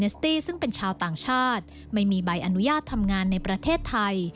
ซึ่งเป็นชาวต่างชาติไม่มีใบอนุญาตทำงานในประเทศไทย